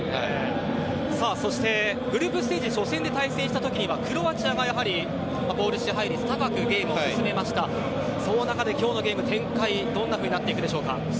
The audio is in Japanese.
そして、グループステージ初戦対戦した時はクロアチアがボール支配率高くゲームを進めましたが今日のゲーム展開はどうなるでしょうか。